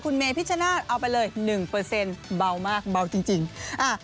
คุณเมพิชชนาธิเอาไปเลยหนึ่งเปอร์เซ็นต์เบามากเบาจริงจริงอ่า